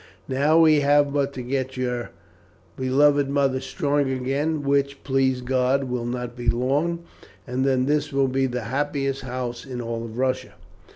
Now we have but to get your beloved mother strong again, which, please God, will not be long, and then this will be the happiest house in all Russia."